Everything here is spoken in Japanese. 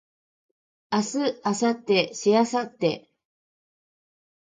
明日明後日しあさって